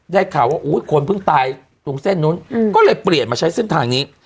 ข่าวว่าคนเพิ่งตายตรงเส้นนู้นก็เลยเปลี่ยนมาใช้เส้นทางนี้